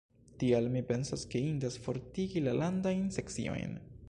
Tial, mi pensas ke indas fortigi la landajn sekciojn.